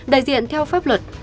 đại diện theo pháp luật